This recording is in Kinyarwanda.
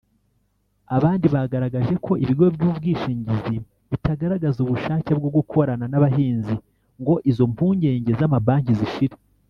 Abandi bagaragaje ko ibigo by’ubwishingizi bitagaragaza ubushake bwo gukorana n’abahinzi ngo izo mpungege z’amabanki zishire